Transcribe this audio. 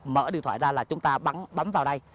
mở điện thoại ra là chúng ta bấm vào đây